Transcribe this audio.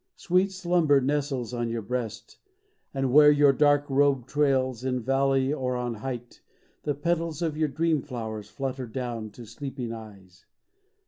Sweet slumber nestles on your breast and where Your dark robe trails, in valley or on height, The petals of your dream flowers flutter down To sleeping eyes.